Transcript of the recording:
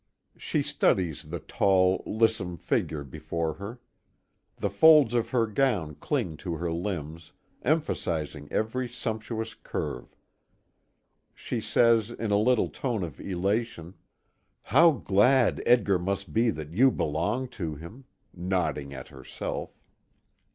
She studies the tall, lissome figure before her. The folds of her gown cling to her limbs, emphasizing every sumptuous curve. She says in a little tone of elation: "How glad Edgar must be that you belong to him," nodding at herself.